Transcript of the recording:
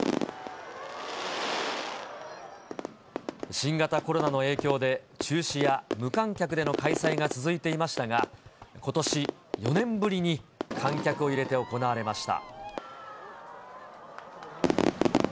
新型コロナの影響で、中止や無観客での開催が続いていましたが、ことし、４年ぶりに観客を入れて行われました。